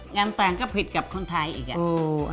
งานต่างก็ผิดกับคนไทยอีกอ่ะ